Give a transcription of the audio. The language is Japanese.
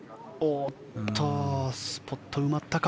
スポッと埋まったか。